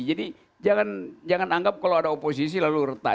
jadi jangan anggap kalau ada oposisi lalu retak